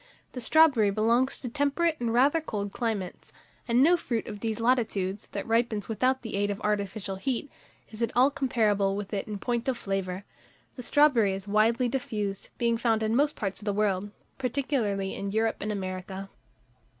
The strawberry belongs to temperate and rather cold climates; and no fruit of these latitudes, that ripens without the aid of artificial heat, is at all comparable with it in point of flavour. The strawberry is widely diffused, being found in most parts of the world, particularly in Europe and America.